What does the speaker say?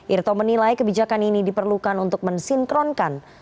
irto menilai kebijakan ini diperlukan untuk mensinkronkan